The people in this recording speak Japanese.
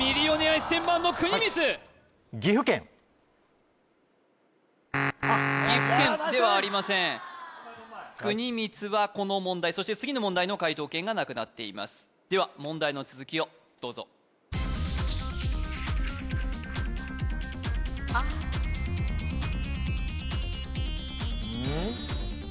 １０００万の國光岐阜県ではありません國光はこの問題そして次の問題の解答権がなくなっていますでは問題の続きをどうぞ・あっうん？